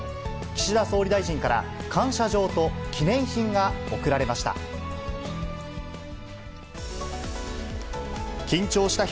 岸田総理大臣から、感謝状と記念品が贈られました。